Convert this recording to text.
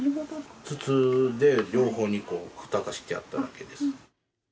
筒で、両方にふたがしてあっただけです。